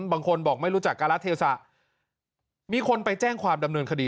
บางคนบอกไม่รู้จักการะเทศะมีคนไปแจ้งความดำเนินคดี